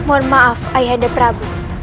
mohon maaf ayahanda prabu